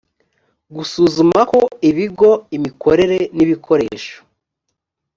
gusuzuma ko ibigo imikorere n ibikoresho